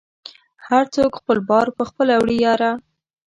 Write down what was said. هر څوک خپل بار په خپله وړی یاره